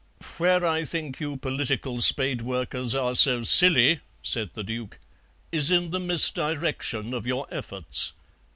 "Where I think you political spade workers are so silly," said the Duke, "is in the misdirection of your efforts.